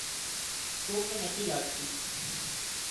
ڪوڪ نين نٿِي لاڳتي